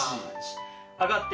上がって。